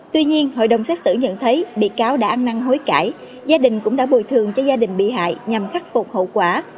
tuy nhiên hội đồng xét xử nhận thấy bị cáo đã ăn năng hối cãi gia đình cũng đã bồi thường cho gia đình bị hại nhằm khắc phục hậu quả